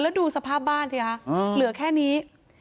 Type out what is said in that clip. แล้วดูสภาพบ้านสิคะเหลือแค่นี้